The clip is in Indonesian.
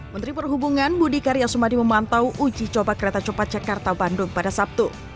menteri perhubungan budi karya sumadi memantau uji coba kereta cepat jakarta bandung pada sabtu